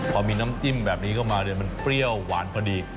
พอมีน้ำจิ้มแบบนี้เข้ามามันเปรี้ยวหวานพอดี